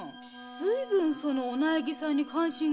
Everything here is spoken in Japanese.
ずいぶんそのお内儀さんに関心が。